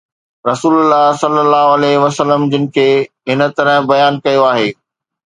رسول الله ﷺ جن کي هن طرح بيان ڪيو آهي